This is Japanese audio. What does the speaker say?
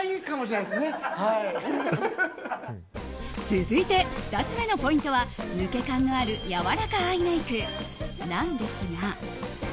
続いて２つ目のポイントは抜け感のあるやわらかアイメイクなんですが。